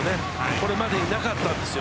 これまでになかったんですよ。